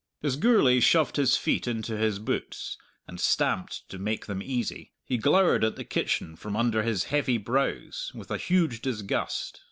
As Gourlay shoved his feet into his boots, and stamped to make them easy, he glowered at the kitchen from under his heavy brows with a huge disgust.